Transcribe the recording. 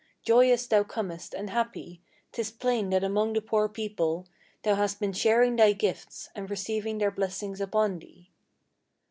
Joyous thou comest, and happy: 'tis plain that among the poor people Thou hast been sharing thy gifts, and receiving their blessings upon thee."